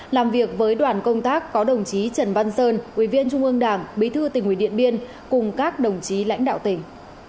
làm việc với đoàn công tác có đồng chí trần văn sơn ubch bế thư tỉnh ủy điện biên cùng các đồng chí lãnh đạo tỉnh